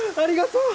ありがとう！